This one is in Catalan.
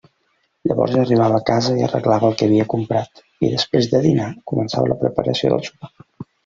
Llavors arribava a casa i arreglava el que havia comprat, i després de dinar començava la preparació del sopar.